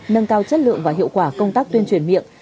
nâng cao chất lượng và hiệu quả công tác tuyên truyền miệng